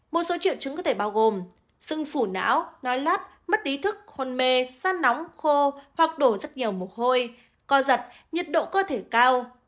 một số triệu chứng có thể bao gồm sưng phủ não nói lát mất ý thức hôn mê săn nóng khô hoặc đổ rất nhiều mục hôi co giật nhiệt độ cơ thể cao